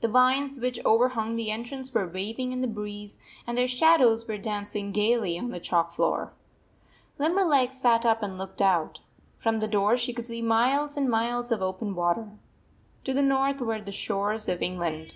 The vines which overhung the entrance were waving in the breeze, and their shadows were dancing gayly on the chalk floor. Limberleg sat up and looked out. From the door she could see miles and miles of open water. To the north were the shores of England.